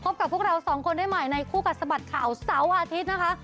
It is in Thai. กับพวกเราสองคนได้ใหม่ในคู่กัดสะบัดข่าวเสาร์อาทิตย์นะคะ